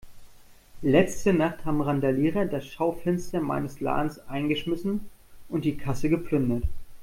Letzte Nacht haben Randalierer das Schaufenster meines Ladens eingeschmissen und die Kasse geplündert.